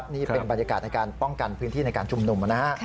นี่เป็นบรรยากาศในการป้องกันพื้นที่ในการชุมนุมนะฮะ